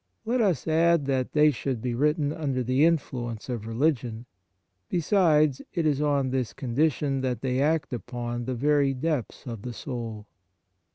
Let us add that they should be written under the influence of religion ; besides, it is on this con dition that they act upon the very depths of the soul.